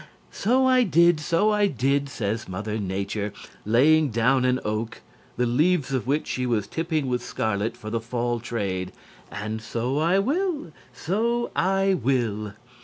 "So I did! So I did!" said Mother Nature, laying down an oak, the leaves of which she was tipping with scarlet for the fall trade. "And so I will! So I will!"